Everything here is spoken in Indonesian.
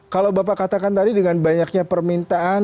kalau bapak katakan tadi dengan banyaknya permintaan